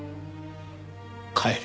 帰れ。